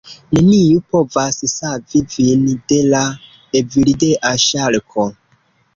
Neniu povas savi vin de la Evildea ŝarko!